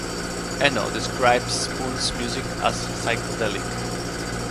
Eno describes Spoon's music as psychedelic.